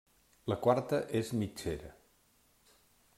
La quarta és mitgera.